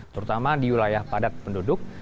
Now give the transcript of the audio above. terutama di wilayah padat penduduk